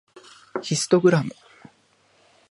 ヒストグラム